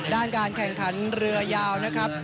การแข่งขันเรือยาวนะครับ